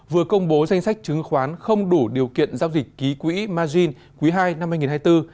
vừa công bố danh sách chứng khoán không đủ điều kiện giao dịch ký quỹ margin quý ii năm hai nghìn hai mươi bốn